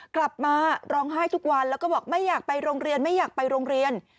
กลับมาร้องไห้ทุกวันแล้วก็บอกไม่อยากไปโรงเรียนไม่อยากไปโรงเรียน